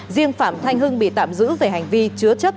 riêng phạm thanh hưng bị tạm giữ về hành vi chứa chấp